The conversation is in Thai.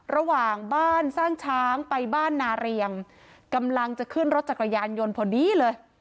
ระหว่างบ้านสร้างช้างไปบ้านนาเรียงกำลังจะขึ้นรถจักรยานยนต์พอดีเลย